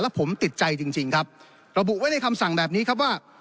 ผมติดใจจริงจริงครับระบุไว้ในคำสั่งแบบนี้ครับว่า